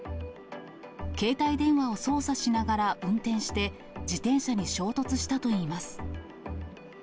携帯電話を操作しながら運転して、自転車に衝突したといいます。